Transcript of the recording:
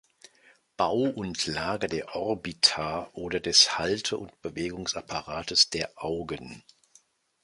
Bau und Lage der Orbita oder des Halte- und Bewegungsapparates der Augen.